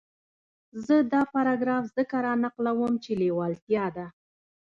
زه دا پاراګراف ځکه را نقلوم چې لېوالتیا ده.